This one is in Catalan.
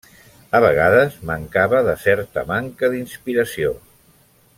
A vegades mancava de certa manca d'inspiració.